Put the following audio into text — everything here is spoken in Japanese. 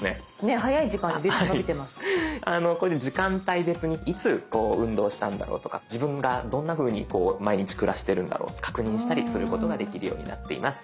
これで時間帯別にいつこう運動したんだろうとか自分がどんなふうにこう毎日暮らしてるんだろう確認したりすることができるようになっています。